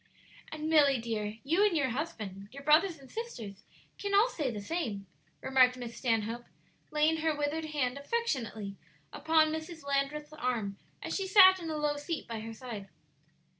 "And, Milly dear, you and your husband, your brothers and sisters, can all say the same," remarked Miss Stanhope, laying her withered hand affectionately upon Mrs. Landreth's arm as she sat in a low seat by her side.